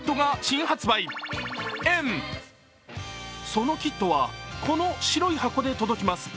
そのキットは、この白い箱で届きます。